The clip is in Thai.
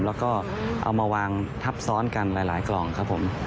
แล้วก็เอามาวางทับซ้อนกันหลายกล่องครับผม